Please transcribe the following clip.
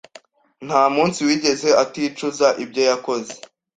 Ntamunsi wigeze aticuza ibyo yakoze.